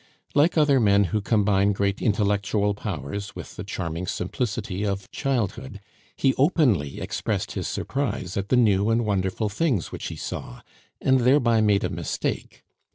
Like other men who combine great intellectual powers with the charming simplicity of childhood, he openly expressed his surprise at the new and wonderful things which he saw, and thereby made a mistake.